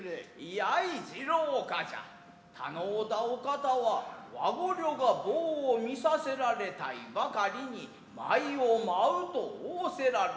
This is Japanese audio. やい次郎冠者頼うだお方は和御寮が棒を見させられたいばかりに舞を舞うと仰せらるる。